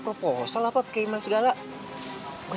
kalo lu pikir segampang itu buat ngindarin gue lu salah din